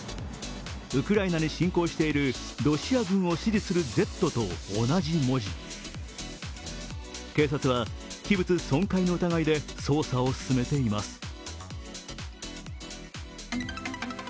ウクライナに侵攻しているロシア軍を指示する「Ｚ」と同じ文字警察は器物損壊の疑いで捜査を進めています。